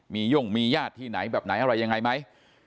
มีย่งมีญาติที่ไหนแบบไหนอะไรยังไงไหม